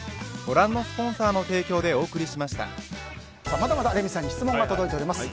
まだまだレミさんに質問が届いております。